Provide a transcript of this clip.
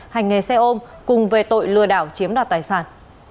hành nghề xe ôm cùng về tội lừa đảo chiếm đoạt tài sản